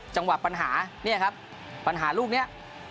จังหวะปัญหาเนี่ยครับปัญหาลูกนี้